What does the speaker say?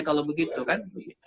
kalau begitu kan